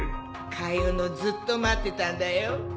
カヨノずっと待ってたんだよ？